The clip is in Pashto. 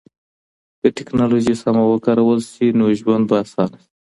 که ټکنالوژي سمه وکارول سي نو ژوند به اسانه سي.